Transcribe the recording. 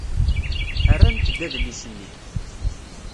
Rrant-d adlis-nni.